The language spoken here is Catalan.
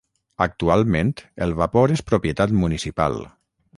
Actualment el vapor és propietat municipal.